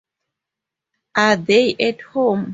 Are they at home?